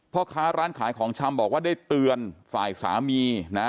พ่อค้าร้านขายของชำบอกว่าได้เตือนฝ่ายสามีนะ